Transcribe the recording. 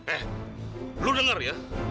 eh lo dengar ya